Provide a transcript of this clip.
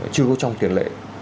chưa có trong tiền lệ